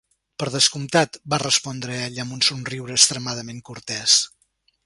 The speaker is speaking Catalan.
"Per descomptat", va respondre ell, amb un somriure extremadament cortès.